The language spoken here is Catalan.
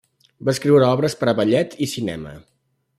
Va escriure obres per a ballet i cinema.